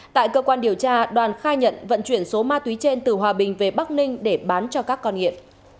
tại cơ quan điều tra đoàn khai nhận vận chuyển số ma túy trên từ hòa bình về bắc ninh để bán cho các con nghiện